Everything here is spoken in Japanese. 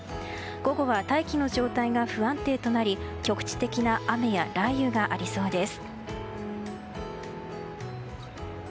午後は大気の状態が不安定となり局地的な雨や雷雨がありそうです。